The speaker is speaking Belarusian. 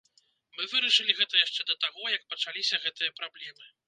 Мы вырашылі гэта яшчэ да таго, як пачаліся гэтыя праблемы.